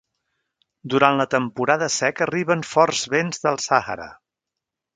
Durant la temporada seca arriben forts vents del Sàhara.